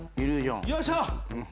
よいしょ。